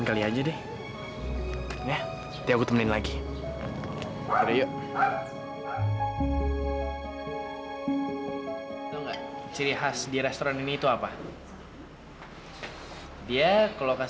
caritnya dia mana kok